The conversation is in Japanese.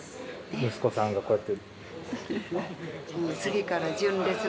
息子さんが、こうやって。